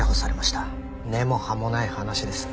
根も葉もない話です。